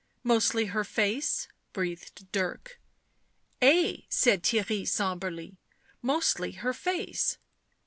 "Mostly her face?" breathed Dirk. " Ay," said Theirry sombrely. " Mostly her face."